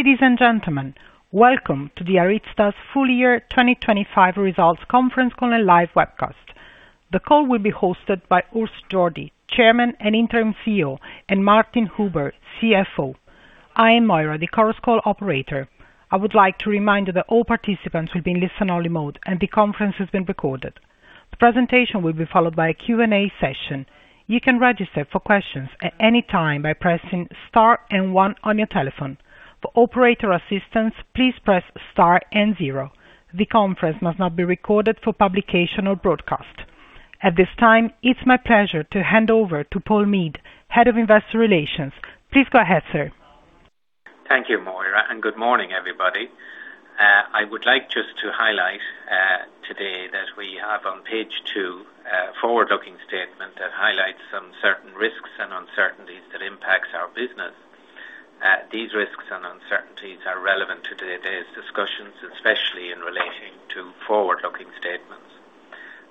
Ladies and gentlemen, welcome to ARYZTA's full year 2025 results conference call and live webcast. The call will be hosted by Urs Jordi, Chairman and Interim CEO, and Martin Huber, CFO. I am Moira, the Chorus Call operator. I would like to remind you that all participants will be in listen-only mode, and the conference is being recorded. The presentation will be followed by a Q&A session. You can register for questions at any time by pressing star and 1 on your telephone. For operator assistance, please press star and 0. The conference must not be recorded for publication or broadcast. At this time, it's my pleasure to hand over to Paul Meade, Head of Investor Relations. Please go ahead, sir. Thank you, Moira, and good morning, everybody. I would like just to highlight today that we have on page two a forward-looking statement that highlights some certain risks and uncertainties that impacts our business. These risks and uncertainties are relevant to today's discussions, especially in relating to forward-looking statements.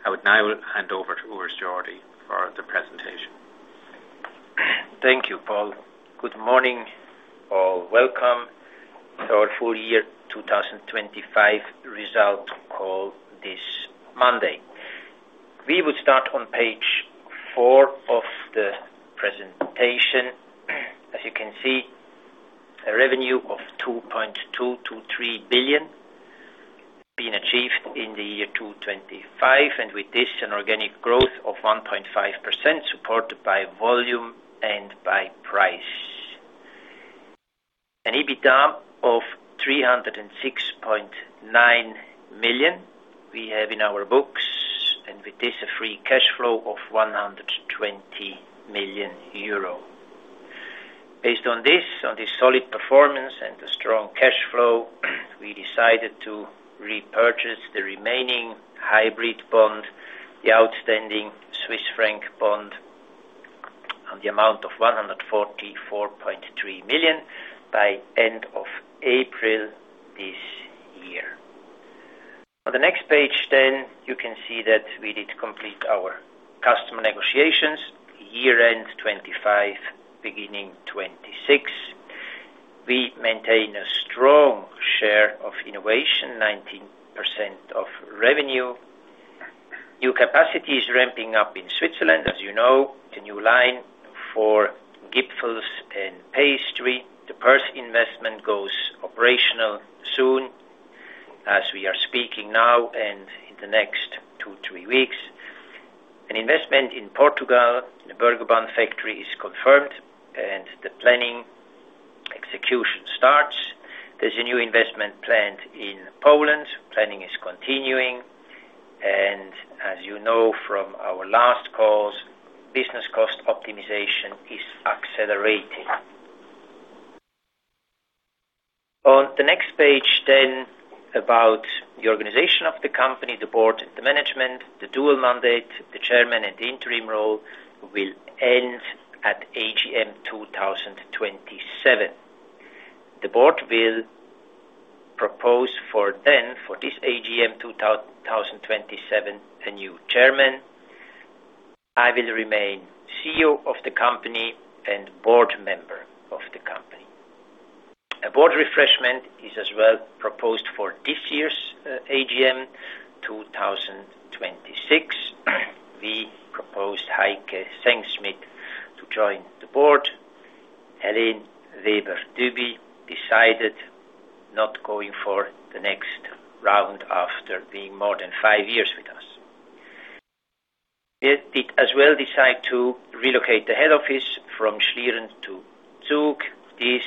I would now hand over to Urs Jordi for the presentation. Thank you, Paul. Good morning, all. Welcome to our full year 2025 result call this Monday. We would start on page 4 of the presentation. As you can see, a revenue of 2.223 billion being achieved in the year 2025, and with this, an organic growth of 1.5%, supported by volume and by price. An EBITDA of 306.9 million we have in our books, and with this, a free cash flow of 120 million euro. Based on this, on this solid performance and the strong cash flow, we decided to repurchase the remaining hybrid bond, the outstanding Swiss franc bond, on the amount of 144.3 million by end of April this year. On the next page, you can see that we did complete our customer negotiations, year-end 2025, beginning 2026. We maintain a strong share of innovation, 19% of revenue. New capacity is ramping up in Switzerland, as you know, the new line for Gipfel and Pastry. The Bursins investment goes operational soon as we are speaking now and in the next 2, 3 weeks. An investment in Portugal, the Eisleben factory is confirmed and the planning execution starts. There's a new investment planned in Poland. Planning is continuing, and as you know from our last calls, business cost optimization is accelerating. On the next page, about the organization of the company, the board, the management, the dual mandate, the chairman and the interim role will end at AGM 2027. The board will propose for this AGM 2027 a new chairman. I will remain CEO of the company and board member of the company. A board refreshment is as well proposed for this year's AGM 2026. We proposed Heike Sengschmidt to join the board. Hélène Weber-Dubi decided not going for the next round after being more than five years with us. It as well decide to relocate the head office from Schlieren to Zug. This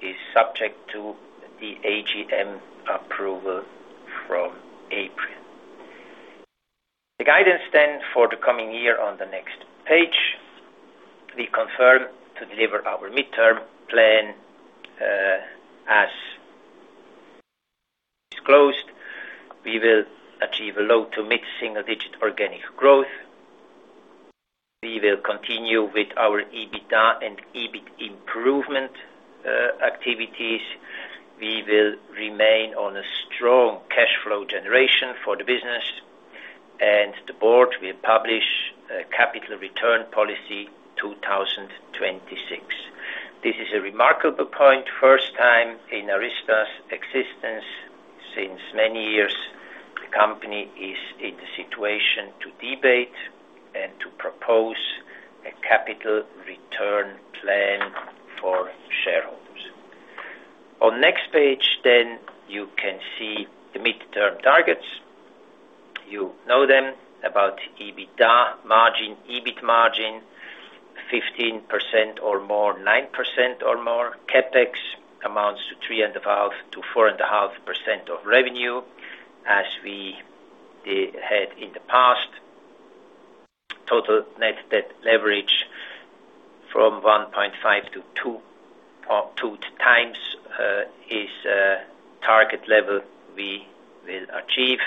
is subject to the AGM approval from April. The guidance for the coming year on the next page, we confirm to deliver our midterm plan as disclosed. We will achieve a low-to-mid single-digit organic growth. We will continue with our EBITDA and EBIT improvement activities. We will remain on a strong cash flow generation for the business. The board will publish a capital return policy 2026. This is a remarkable point. First time in ARYZTA's existence since many years, the company is in the situation to debate and to propose a capital return plan for shareholders. On next page, you can see the midterm targets. You know them about EBITDA margin, EBIT margin, 15% or more, 9% or more. CapEx amounts to 3.5%-4.5% of revenue as we had in the past. Total net debt leverage from 1.5-2 times is target level we will achieve.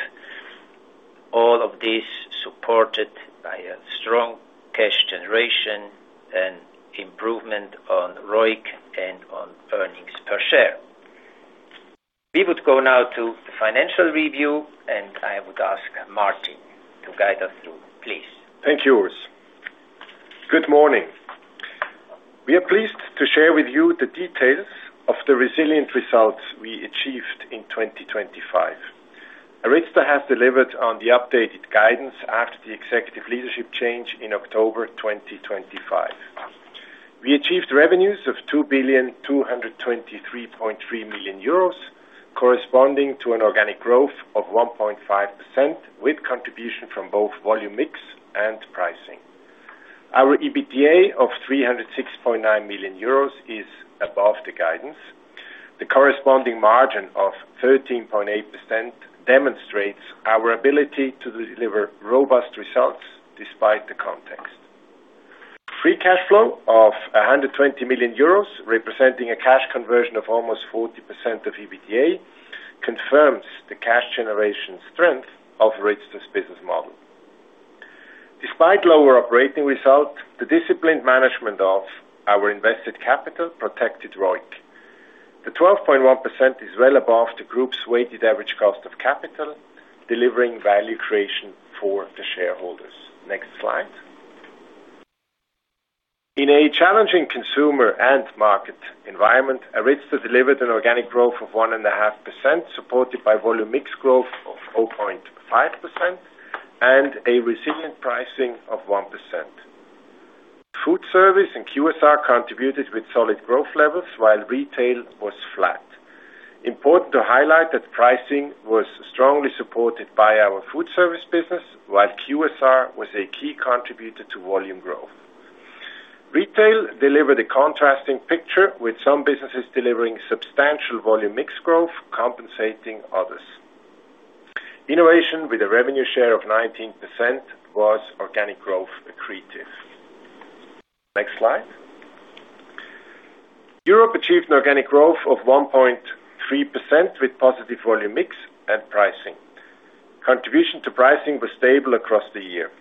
All of this supported by a strong cash generation and improvement on ROIC and on earnings per share. We would go now to the financial review, and I would ask Martin to guide us through, please. Thank you, Urs. Good morning. We are pleased to share with you the details of the resilient results we achieved in 2025. ARYZTA has delivered on the updated guidance after the executive leadership change in October 2025. We achieved revenues of 2,223.3 million euros, corresponding to an organic growth of 1.5% with contribution from both volume mix and pricing. Our EBITDA of 306.9 million euros is above the guidance. The corresponding margin of 13.8% demonstrates our ability to deliver robust results despite the context. Free cash flow of 120 million euros, representing a cash conversion of almost 40% of EBITDA, confirms the cash generation strength of ARYZTA's business model. Despite lower operating results, the disciplined management of our invested capital protected ROIC. The 12.1% is well above the group's Weighted Average Cost of Capital, delivering value creation for the shareholders. Next slide. In a challenging consumer and market environment, ARYZTA delivered an organic growth of 1.5%, supported by volume mix growth of 4.5% and a resilient pricing of 1%. Foodservice and QSR contributed with solid growth levels while retail was flat. Important to highlight that pricing was strongly supported by our Foodservice business, while QSR was a key contributor to volume growth. Retail delivered a contrasting picture with some businesses delivering substantial volume mix growth, compensating others. Innovation with a revenue share of 19% was organic growth accretive. Next slide. Europe achieved an organic growth of 1.3% with positive volume mix and pricing. Contribution to pricing was stable across the year.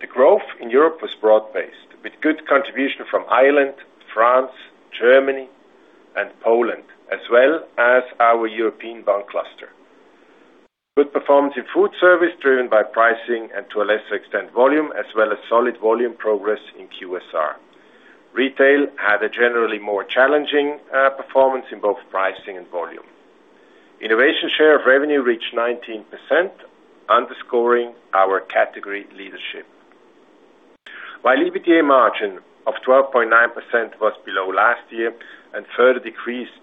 The growth in Europe was broad-based, with good contribution from Ireland, France, Germany, and Poland, as well as our European bun cluster. Good performance in foodservice driven by pricing and to a lesser extent volume, as well as solid volume progress in QSR. Retail had a generally more challenging performance in both pricing and volume. Innovation share of revenue reached 19%, underscoring our category leadership. While EBITDA margin of 12.9% was below last year and further decreased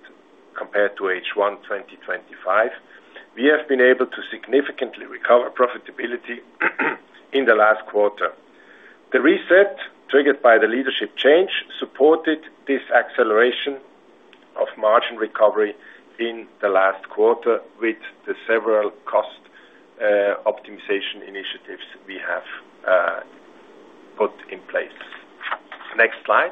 compared to H1 2025, we have been able to significantly recover profitability in the last quarter. The reset triggered by the leadership change supported this acceleration of margin recovery in the last quarter with the several cost optimization initiatives we have put in place. Next slide.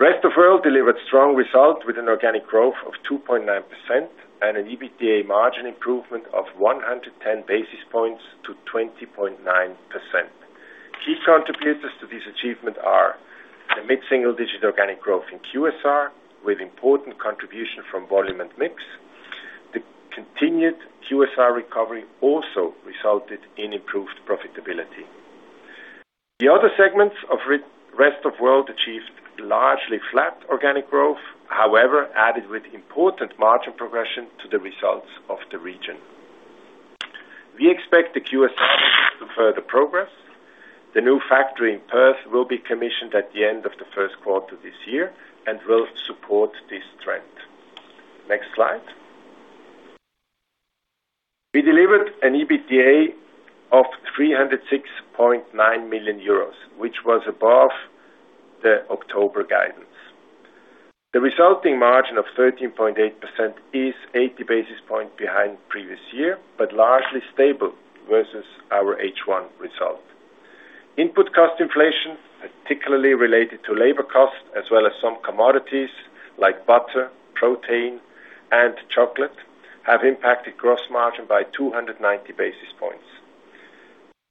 Rest of World delivered strong results with an organic growth of 2.9% and an EBITDA margin improvement of 110 basis points to 20.9%. Key contributors to this achievement are the mid-single digit organic growth in QSR with important contribution from volume and mix. The continued QSR recovery also resulted in improved profitability. The other segments of Rest of World achieved largely flat organic growth, however, added with important margin progression to the results of the region. We expect the QSR further progress. The new factory in Perth will be commissioned at the end of the first quarter this year and will support this trend. Next slide. We delivered an EBITDA of 306.9 million euros, which was above the October guidance. The resulting margin of 13.8% is 80 basis points behind previous year, but largely stable versus our H1 result. Input cost inflation, particularly related to labor costs as well as some commodities like butter, protein, and chocolate, have impacted gross margin by 290 basis points.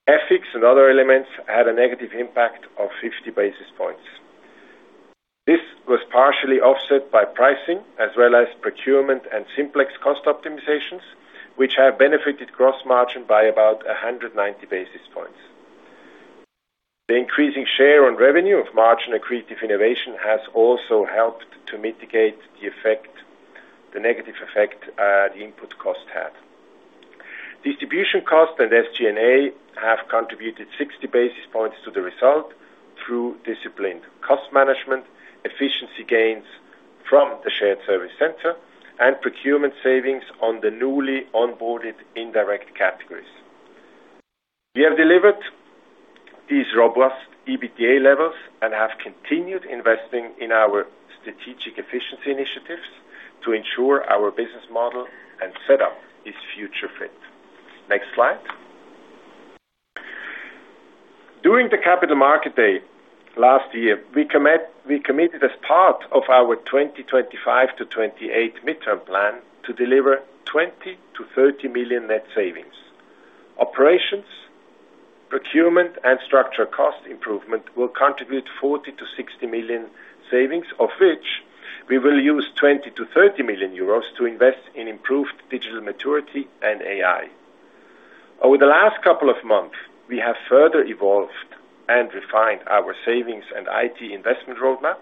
FX and other elements had a negative impact of 50 basis points. This was partially offset by pricing as well as procurement and simplification cost optimizations, which have benefited gross margin by about 190 basis points. The increasing share on revenue of margin accretive innovation has also helped to mitigate the negative effect the input cost had. Distribution cost and SG&A have contributed 60 basis points to the result through disciplined cost management, efficiency gains from the shared service center, and procurement savings on the newly onboarded indirect categories. We have delivered these robust EBITDA levels and have continued investing in our strategic efficiency initiatives to ensure our business model and setup is future fit. Next slide. During the Capital Market Day last year, we committed as part of our 2025-2028 midterm plan to deliver 20 million-30 million net savings. Operations, procurement, and structural cost improvement will contribute 40 million-60 million savings, of which we will use 20 million-30 million euros to invest in improved digital maturity and AI. Over the last couple of months, we have further evolved and refined our savings and IT investment roadmap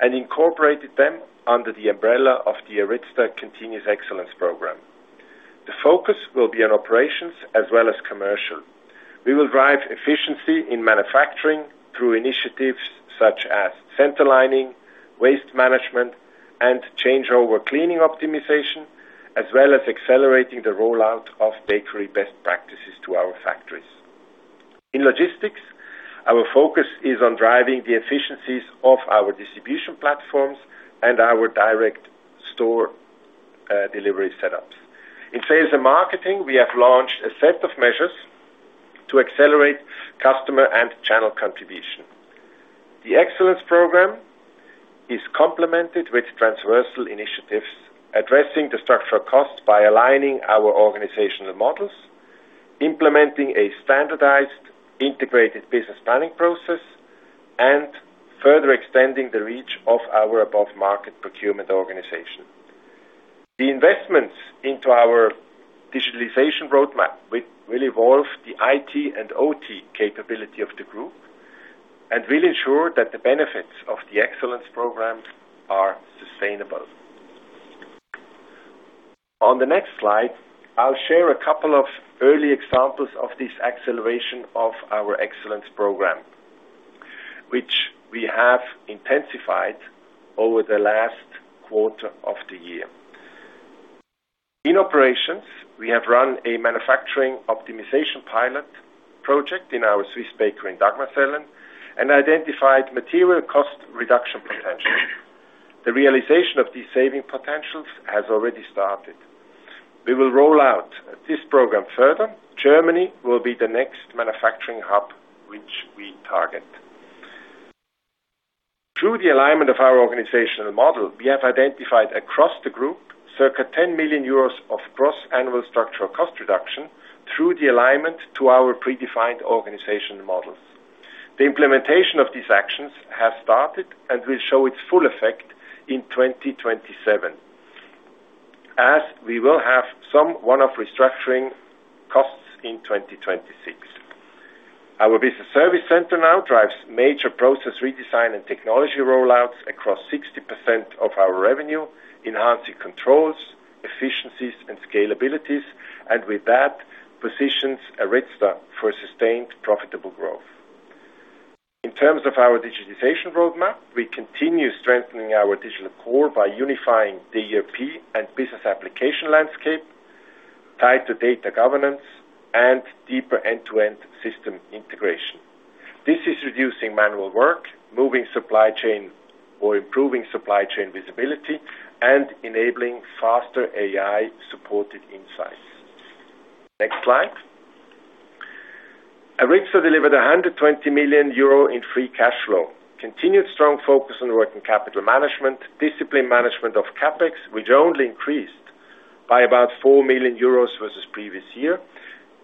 and incorporated them under the umbrella of the ARYZTA Continuous Excellence Program. The focus will be on operations as well as commercial. We will drive efficiency in manufacturing through initiatives such as center lining, waste management, and changeover cleaning optimization, as well as accelerating the rollout of bakery best practices to our factories. In logistics, our focus is on driving the efficiencies of our Direct Store Delivery setups. In sales and marketing, we have launched a set of measures to accelerate customer and channel contribution. The Excellence program is complemented with transversal initiatives addressing the structural costs by aligning our organizational models, implementing a standardized Integrated Business Planning process, and further extending the reach of our above-market procurement organization. The investments into our digitalization roadmap will evolve the IT and OT capability of the group and will ensure that the benefits of the Excellence program are sustainable. On the next slide, I'll share a couple of early examples of this acceleration of our Excellence program, which we have intensified over the last quarter of the year. In operations, we have run a manufacturing optimization pilot project in our Swiss bakery in Dagmersellen and identified material cost reduction potential. The realization of these saving potentials has already started. We will roll out this program further. Germany will be the next manufacturing hub which we target. Through the alignment of our organizational model, we have identified across the group circa 10 million euros of gross annual structural cost reduction through the alignment to our predefined organizational models. The implementation of these actions has started and will show its full effect in 2027, as we will have some one-off restructuring costs in 2026. Our business service center now drives major process redesign and technology rollouts across 60% of our revenue, enhancing controls, efficiencies, and scalabilities, and with that, positions ARYZTA for sustained, profitable growth. In terms of our digitization roadmap, we continue strengthening our digital core by unifying the ERP and business application landscape tied to data governance and deeper end-to-end system integration. This is reducing manual work, moving supply chain or improving supply chain visibility, and enabling faster AI-supported insights. Next slide. ARYZTA delivered 120 million euro in free cash flow. Continued strong focus on working capital management, discipline management of CapEx, which only increased by about 4 million euros versus previous year,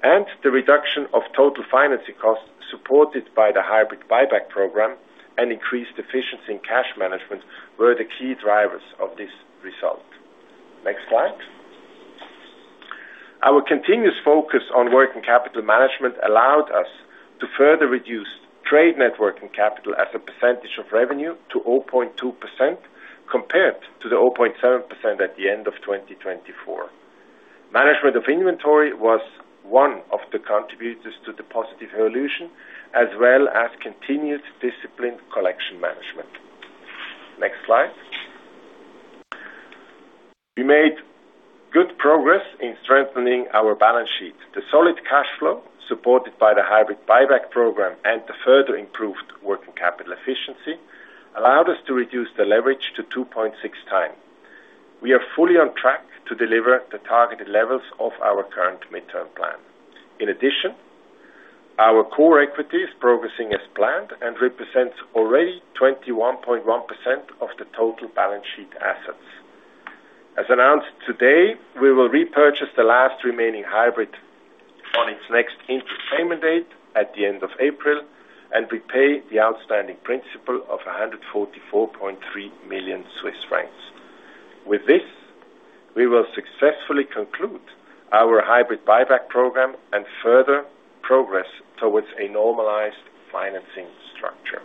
and the reduction of total financing costs supported by the Hybrid buyback program and increased efficiency in cash management were the key drivers of this result. Next slide. Our continuous focus on working capital management allowed us to further reduce trade network and capital as a percentage of revenue to 0.2% compared to the 0.7% at the end of 2024. Management of inventory was one of the contributors to the positive evolution, as well as continuous disciplined collection management. Next slide. We made good progress in strengthening our balance sheet. The solid cash flow, supported by the hybrid buyback program and the further improved working capital efficiency, allowed us to reduce the leverage to 2.6 times. We are fully on track to deliver the targeted levels of our current midterm plan. Our core equity is progressing as planned and represents already 21.1% of the total balance sheet assets. As announced today, we will repurchase the last remaining hybrid on its next interest payment date at the end of April and repay the outstanding principal of 144.3 million Swiss francs. With this, we will successfully conclude our hybrid buyback program and further progress towards a normalized financing structure.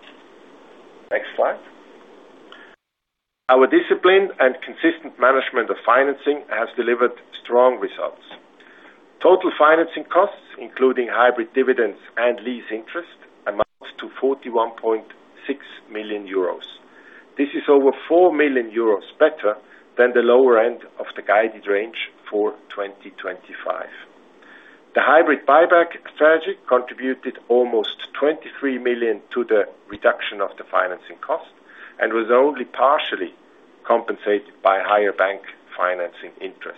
Next slide. Our disciplined and consistent management of financing has delivered strong results. Total financing costs, including hybrid dividends and lease interest, amounts to 41.6 million euros. This is over 4 million euros better than the lower end of the guided range for 2025. The hybrid buyback strategy contributed almost 23 million to the reduction of the financing cost and was only partially compensated by higher bank financing interest.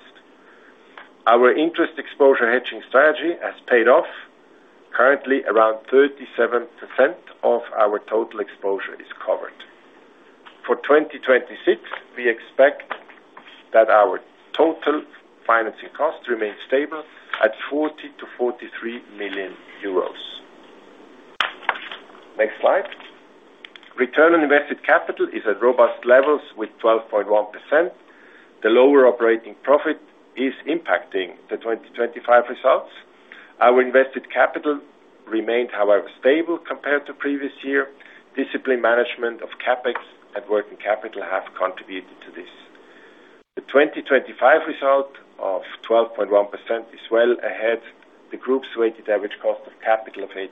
Our interest exposure hedging strategy has paid off. Currently, around 37% of our total exposure is covered. For 2026, we expect that our total financing cost remains stable at 40 million-43 million euros. Next slide. Return on invested capital is at robust levels with 12.1%. The lower operating profit is impacting the 2025 results. Our invested capital remained however stable compared to previous year. Discipline management of CapEx and working capital have contributed to this. The 2025 result of 12.1% is well ahead. The group's Weighted Average Cost of Capital of 8%,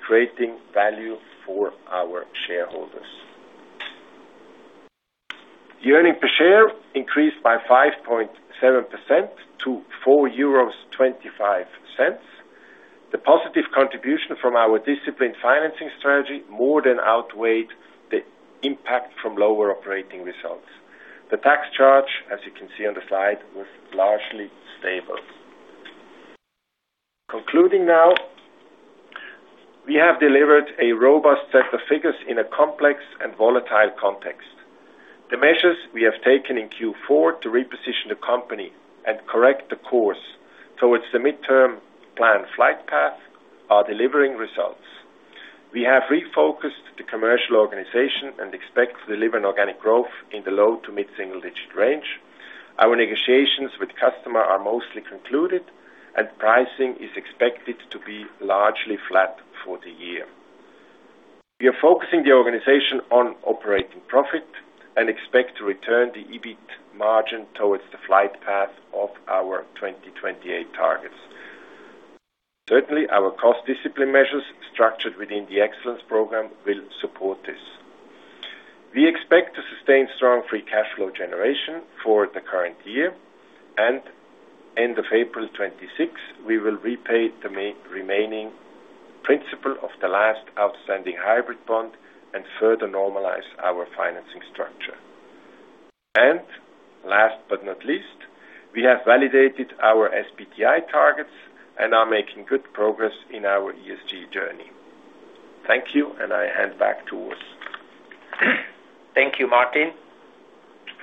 creating value for our shareholders. The earning per share increased by 5.7% to 4.25 euros. The positive contribution from our disciplined financing strategy more than outweighed the impact from lower operating results. The tax charge, as you can see on the slide, was largely stable. Concluding now, we have delivered a robust set of figures in a complex and volatile context. The measures we have taken in Q4 to reposition the company and correct the course towards the midterm plan flight path are delivering results. We have refocused the commercial organization and expect to deliver an organic growth in the low to mid-single-digit range. Our negotiations with customer are mostly concluded and pricing is expected to be largely flat for the year. We are focusing the organization on operating profit and expect to return the EBIT margin towards the flight path of our 2028 targets. Certainly, our cost discipline measures structured within the Excellence program will support this. We expect to sustain strong free cash flow generation for the current year and end of April 2026, we will repay the remaining principal of the last outstanding hybrid bond and further normalize our financing structure. Last but not least, we have validated our SBTI targets and are making good progress in our ESG journey. Thank you, and I hand back to Urs. Thank you, Martin,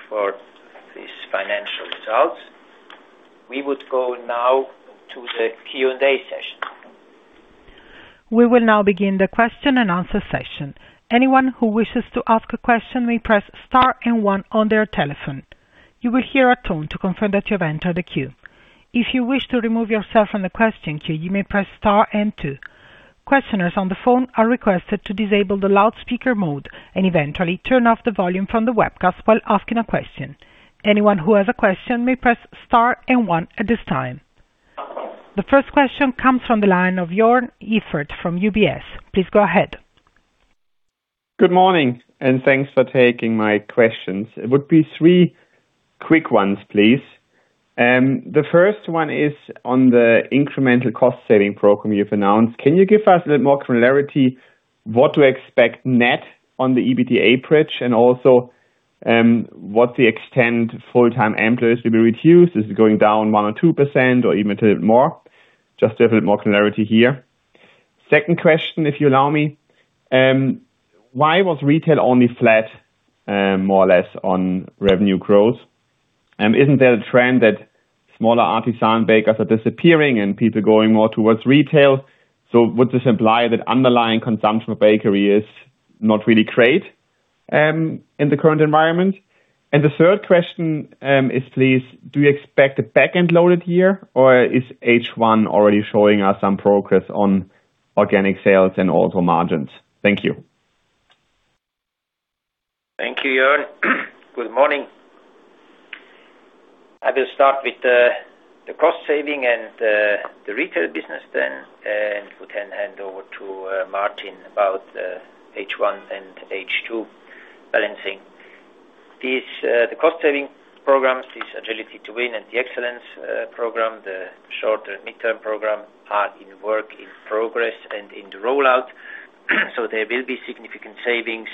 for these financial results. We would go now to the Q&A session. We will now begin the question and answer session. Anyone who wishes to ask a question may press star and one on their telephone. You will hear a tone to confirm that you have entered the queue. If you wish to remove yourself from the question queue, you may press star and two. Questioners on the phone are requested to disable the loudspeaker mode and eventually turn off the volume from the webcast while asking a question. Anyone who has a question may press star and one at this time. The first question comes from the line of Jörn Iffert [Senior Equity Analyst] (UBS Asset Management/UBS AG). Please go ahead. Good morning. Thanks for taking my questions. It would be three quick ones, please. The first one is on the incremental cost-saving program you've announced. Can you give us a bit more clarity what to expect net on the EBITDA bridge and also, what's the extent full-time employees to be reduced? Is it going down 1% or 2% or even a little bit more? Just to have a bit more clarity here. Second question, if you allow me. Why was retail only flat, more or less on revenue growth? Isn't there a trend that smaller artisan bakers are disappearing and people are going more towards retail? Would this imply that underlying consumption of bakery is not really great in the current environment? The third question is, please, do you expect a back-end loaded year, or is H1 already showing us some progress on organic sales and also margins? Thank you. Thank you, Jorn. Good morning. I will start with the cost saving and the retail business then, and we can hand over to Martin about H1 and H2 balancing. These the cost-saving programs, this Agility to Win and the Excellence program, the short and midterm program, are in work in progress and in the rollout. There will be significant savings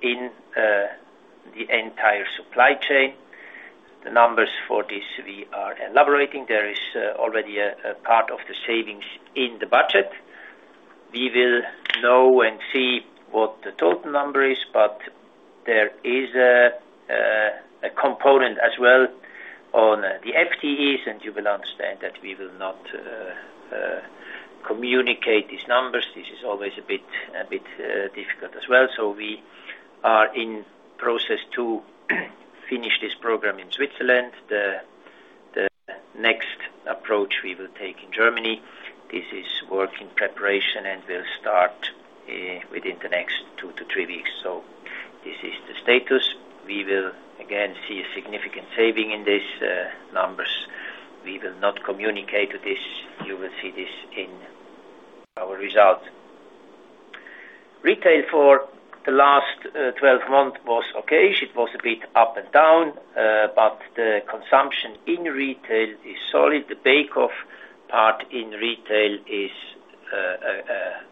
in the entire supply chain. The numbers for this we are elaborating. There is already a part of the savings in the budget. We will know and see what the total number is, but there is a component as well on the FTEs, and you will understand that we will not communicate these numbers. This is always a bit difficult as well. We are in process to finish this program in Switzerland. The next approach we will take in Germany. This is work in preparation, and we'll start within the next 2 to 3 weeks. This is the status. We will again see a significant saving in these numbers. We will not communicate this. You will see this in our results. Retail for the last 12 months was okay. It was a bit up and down, but the consumption in retail is solid. The bake-off part in retail is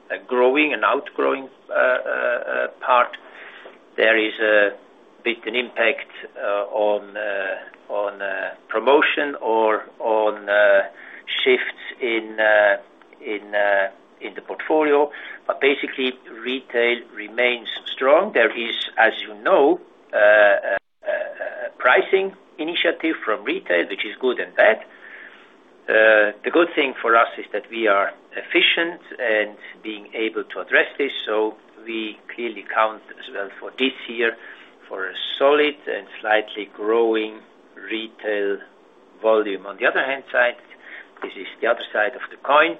a growing and outgrowing part. There is a bit an impact on promotion or on shifts in the portfolio. Basically, retail remains strong. There is, as you know. Pricing initiative from retail, which is good and bad. The good thing for us is that we are efficient and being able to address this, so we clearly count as well for this year for a solid and slightly growing retail volume. On the other hand side, this is the other side of the coin,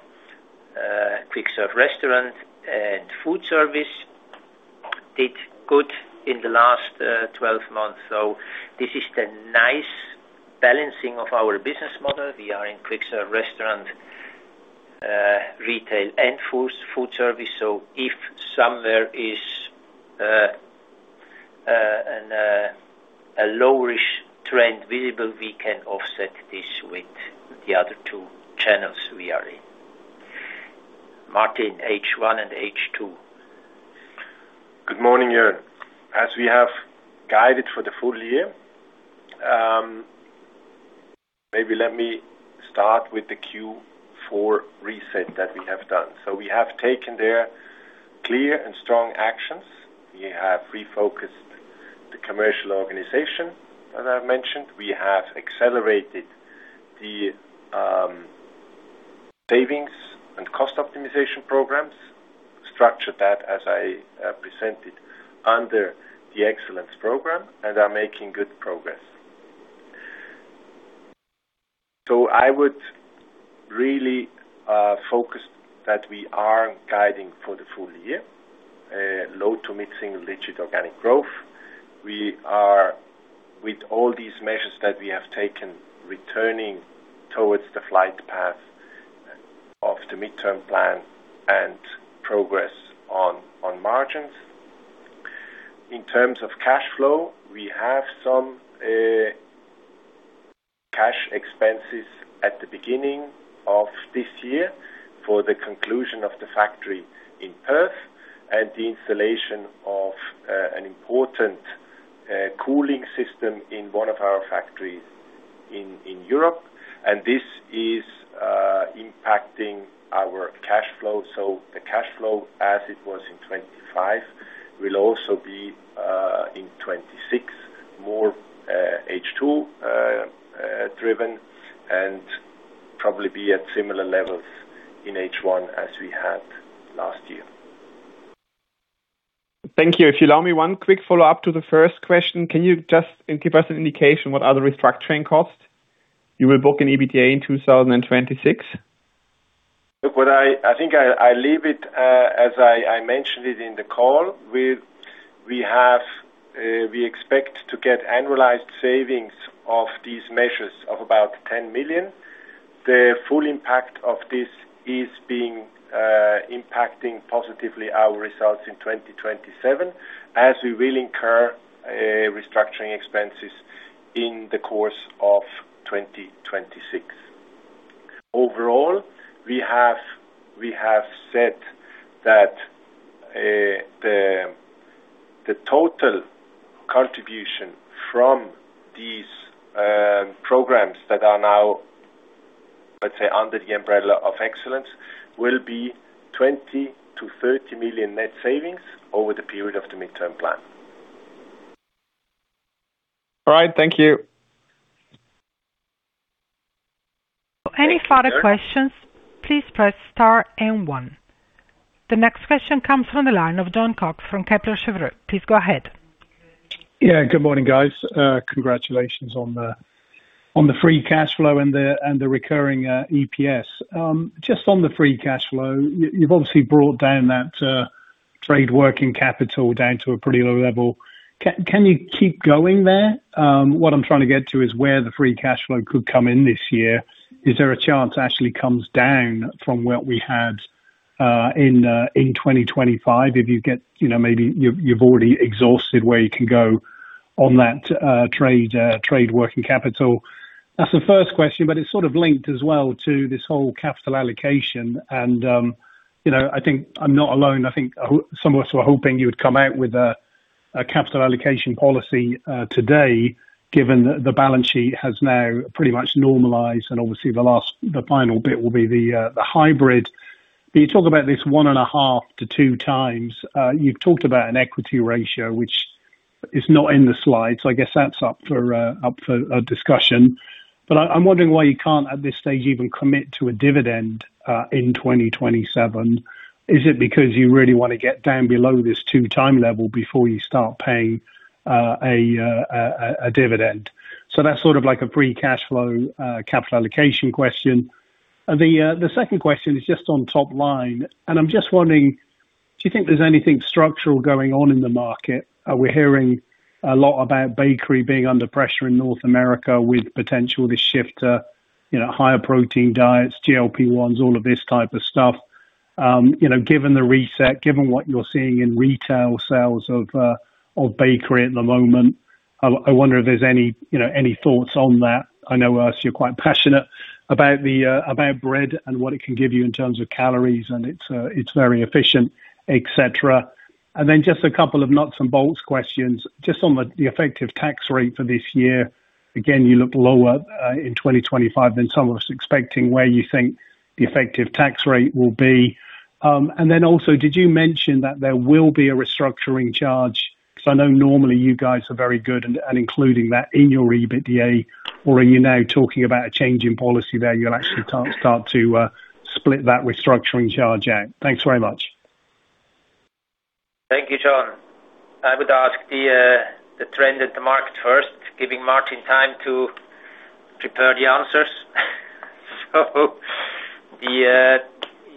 quick serve restaurant and food service did good in the last 12 months. This is the nice balancing of our business model. We are in quick serve restaurant, retail and food service. If somewhere is a lowish trend visible, we can offset this with the other two channels we are in. Martin, H1 and H2. Good morning, Jörn. As we have guided for the full year, maybe let me start with the Q4 reset that we have done. We have taken there clear and strong actions. We have refocused the commercial organization, as I mentioned. We have accelerated the savings and cost optimization programs, structured that as I presented under the Excellence program and are making good progress. I would really focus that we are guiding for the full year, low to mixing legit organic growth. We are with all these measures that we have taken, returning towards the flight path of the midterm plan and progress on margins. In terms of cash flow, we have some cash expenses at the beginning of this year for the conclusion of the factory in Perth and the installation of an important cooling system in one of our factories in Europe. This is impacting our cash flow. The cash flow as it was in 2025, will also be in 2026 more H2 driven and probably be at similar levels in H1 as we had last year. Thank you. If you allow me one quick follow-up to the first question. Can you just give us an indication what other restructuring costs you will book in EBITDA in 2026? Look, I think I leave it as I mentioned it in the call. We have, we expect to get annualized savings of these measures of about 10 million. The full impact of this is impacting positively our results in 2027, as we will incur restructuring expenses in the course of 2026. Overall, we have said that the total contribution from these programs that are now, let's say, under the umbrella of Excellence program will be 20 million-30 million net savings over the period of the midterm plan. All right, thank you. Any further questions, please press star and one. The next question comes from the line of Jon Cox from Kepler Cheuvreux. Please go ahead. Yeah. Good morning, guys. Congratulations on the free cash flow and the recurring EPS. Just on the free cash flow, you've obviously brought down that trade working capital down to a pretty low level. Can you keep going there? What I'm trying to get to is where the free cash flow could come in this year. Is there a chance it actually comes down from what we had in 2025? If you get, you know, maybe you've already exhausted where you can go on that trade working capital. That's the first question. It's sort of linked as well to this whole capital allocation and, you know, I think I'm not alone. I think some of us were hoping you would come out with a capital allocation policy today, given the balance sheet has now pretty much normalized, and obviously the last, the final bit will be the hybrid. You talk about this 1.5 to 2 times. You've talked about an equity ratio, which is not in the slide. I guess that's up for a discussion. I'm wondering why you can't at this stage even commit to a dividend in 2027. Is it because you really wanna get down below this 2-time level before you start paying a dividend? That's sort of like a free cash flow capital allocation question. The second question is just on top line, and I'm just wondering, do you think there's anything structural going on in the market? Are we hearing a lot about bakery being under pressure in North America with potential to shift to, you know, higher protein diets, GLP-1s, all of this type of stuff. You know, given the reset, given what you're seeing in retail sales of bakery at the moment, I wonder if there's any, you know, any thoughts on that. I know, Urs, you're quite passionate about the about bread and what it can give you in terms of calories, and it's very efficient, et cetera. Just a couple of nuts and bolts questions. Just on the effective tax rate for this year. Again, you look lower in 2025 than some of us expecting where you think the effective tax rate will be? Also, did you mention that there will be a restructuring charge? Cause I know normally you guys are very good at including that in your EBITDA or are you now talking about a change in policy there you'll actually start to split that restructuring charge out. Thanks very much. Thank you, Jon. I would ask the trend at the market first, giving Martin time to prepare the answers. The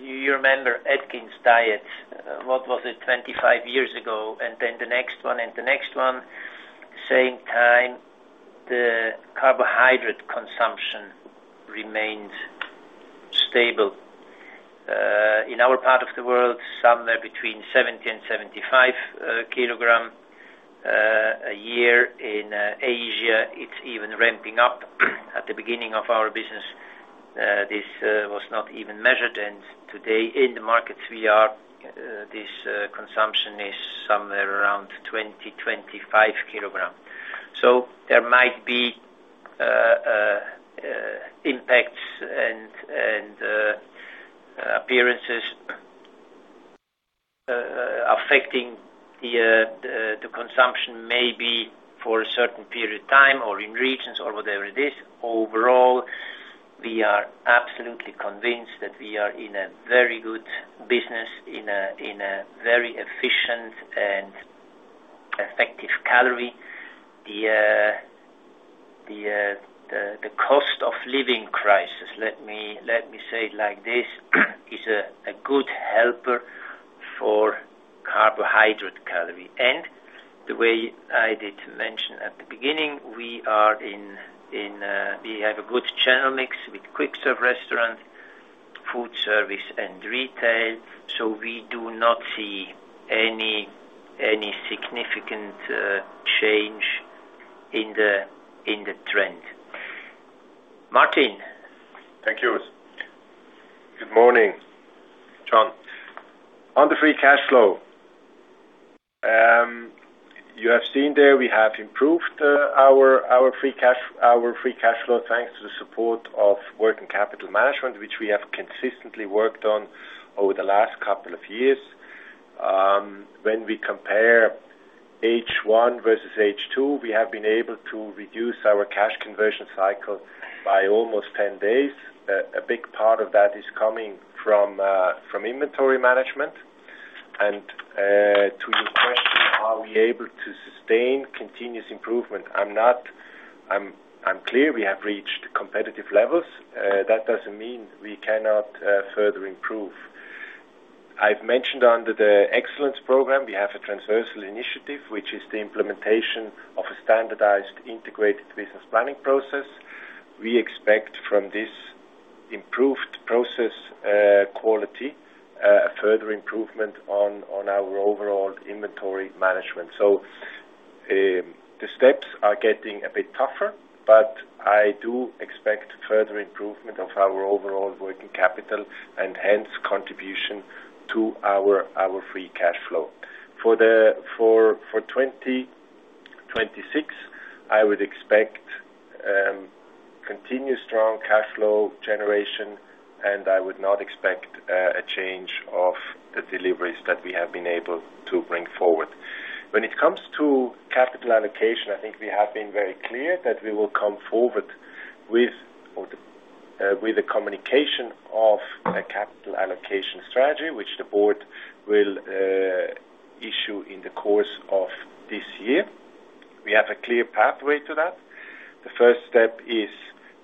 you remember Atkins Diet, what was it? 25 years ago, and then the next one and the next one. Same time, the carbohydrate consumption remained stable. In our part of the world, somewhere between 70 and 75 kilograms a year. In Asia, it's even ramping up. At the beginning of our business, this was not even measured. Today in the markets we are, this consumption is somewhere around 20, 25 kilograms. There might be impacts and appearances affecting the consumption maybe for a certain period of time or in regions or whatever it is. Overall, we are absolutely convinced that we are in a very good business in a very efficient and effective calorie. The cost of living crisis, let me say it like this, is a good helper for carbohydrate calorie. The way I did mention at the beginning, we are in we have a good channel mix with Quick Serve Restaurant, food service and retail. We do not see any significant change in the trend. Martin. Thank you. Good morning, Jon. On the free cash flow, you have seen there we have improved our free cash flow, thanks to the support of working capital management, which we have consistently worked on over the last couple of years. When we compare H1 versus H2, we have been able to reduce our Cash Conversion Cycle by almost 10 days. A big part of that is coming from inventory management. To your question, are we able to sustain continuous improvement? I'm clear we have reached competitive levels. That doesn't mean we cannot further improve. I've mentioned under the Excellence program, we have a transversal initiative, which is the implementation of a standardized Integrated Business Planning process. We expect from this improved process quality, a further improvement on our overall inventory management. The steps are getting a bit tougher, but I do expect further improvement of our overall working capital and hence contribution to our free cash flow. For 2026, I would expect continuous strong cash flow generation, and I would not expect a change of the deliveries that we have been able to bring forward. When it comes to capital allocation, I think we have been very clear that we will come forward with the communication of a capital allocation strategy, which the board will issue in the course of this year. We have a clear pathway to that. The first step is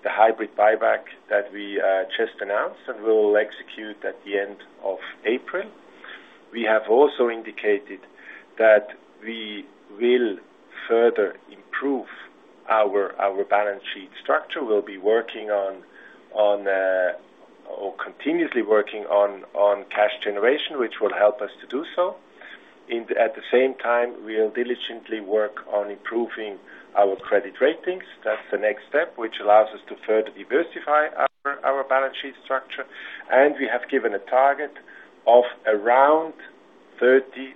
the hybrid buyback that we just announced and we will execute at the end of April. We have also indicated that we will further improve our balance sheet structure. We'll be working on or continuously working on cash generation, which will help us to do so. At the same time, we'll diligently work on improving our credit ratings. That's the next step, which allows us to further diversify our balance sheet structure. We have given a target of around 30%,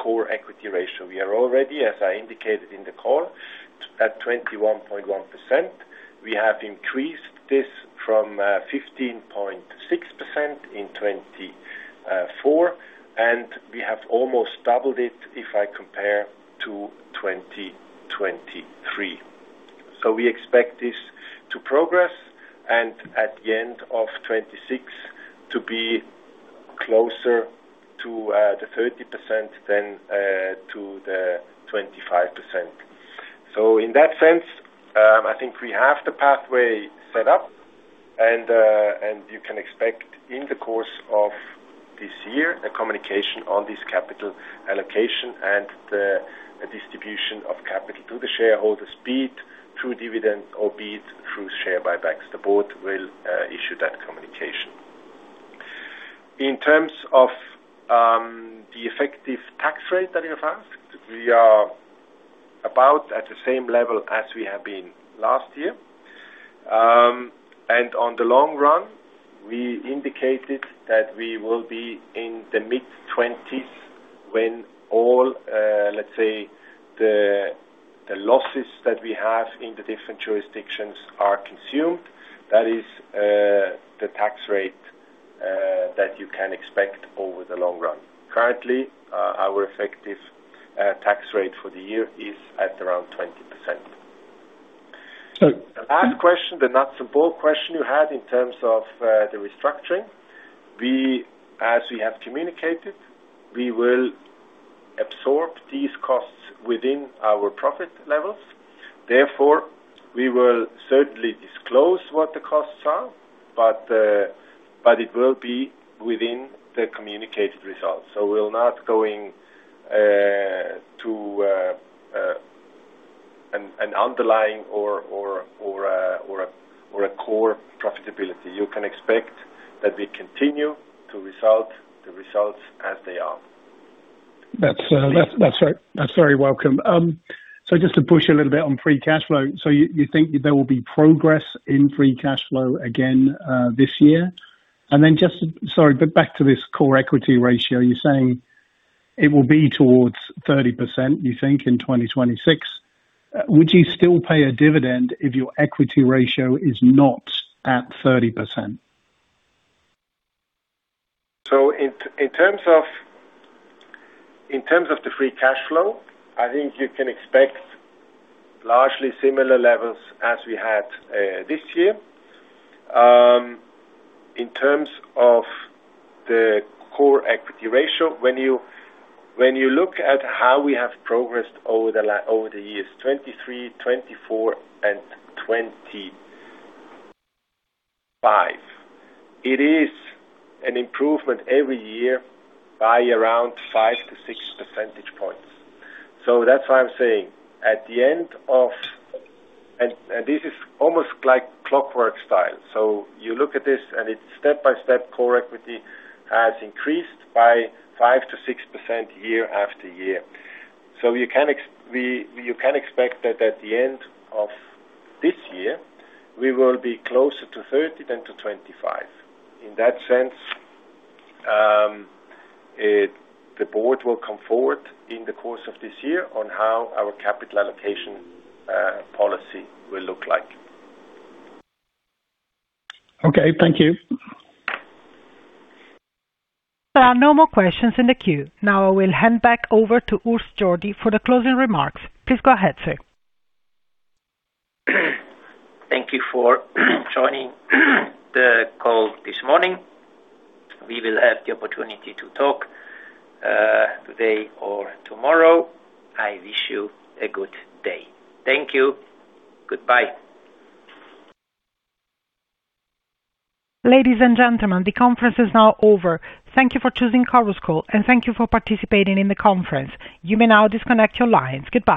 Core equity ratio. We are already, as I indicated in the call, at 21.1%. We have increased this from 15.6% in 2024, and we have almost doubled it if I compare to 2023. We expect this to progress and at the end of 2026 to be closer to the 30% than to the 25%. In that sense, I think we have the pathway set up and you can expect in the course of this year a communication on this capital allocation and the distribution of capital to the shareholders, be it through dividend or be it through share buybacks. The board will issue that communication. In terms of the effective tax rate that you've asked, we are about at the same level as we have been last year. On the long run, we indicated that we will be in the mid-20s when all, let's say, the losses that we have in the different jurisdictions are consumed. That is the tax rate that you can expect over the long run. Currently, our effective tax rate for the year is at around 20%. So- The last question, the nuts and bolt question you had in terms of the restructuring. As we have communicated, we will absorb these costs within our profit levels. We will certainly disclose what the costs are, but it will be within the communicated results. We're not going to an underlying or a core profitability. You can expect that we continue to result the results as they are. That's very welcome. Just to push a little bit on free cash flow. You think there will be progress in free cash flow again this year? Sorry, back to this core equity ratio, you're saying it will be towards 30%, you think in 2026. Would you still pay a dividend if your equity ratio is not at 30%? In terms of the free cash flow, I think you can expect largely similar levels as we had this year. In terms of the core equity ratio, when you look at how we have progressed over the years, 2023, 2024 and 2025, it is an improvement every year by around 5 to 6 percentage points. That's why I'm saying at the end of. This is almost like clockwork style. You look at this and it's step-by-step core equity has increased by 5%-6% year after year. You can expect that at the end of this year, we will be closer to 30 than to 25. In that sense, the board will come forward in the course of this year on how our capital allocation policy will look like. Okay. Thank you. There are no more questions in the queue. I will hand back over to Urs Jordi for the closing remarks. Please go ahead, sir. Thank you for joining the call this morning. We will have the opportunity to talk, today or tomorrow. I wish you a good day. Thank you. Goodbye. Ladies and gentlemen, the conference is now over. Thank you for choosing Chorus Call, and thank you for participating in the conference. You may now disconnect your lines. Goodbye.